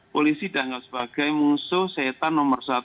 polisi dianggap sebagai musuh setan nomor satu